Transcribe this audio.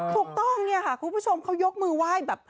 ถูกต้องเนี่ยค่ะคุณผู้ชมเขายกมือไหว้แบบ